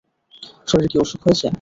শরীর কি অসুখ মনে হচ্ছে?